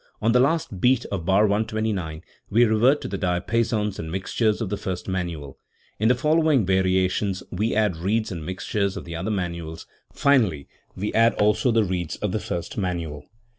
On the last beat of bar 129 we revert to the diapasons and mixtures of the first manual; in the following variations we add reeds and mixtures of the other manuals; finally we add also the reeds of the first manual.